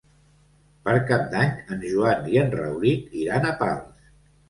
Per Cap d'Any en Joan i en Rauric iran a Pals.